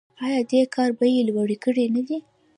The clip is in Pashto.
آیا دې کار بیې لوړې کړې نه دي؟